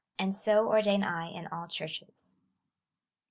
And so ordain I in all churches.